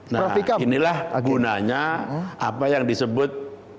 nah inilah gunanya apa yang disebut